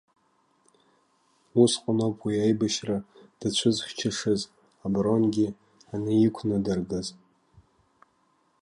Усҟаноуп уи, аибашьра дацәызхьчашаз абронгьы аниқәнадыргаз.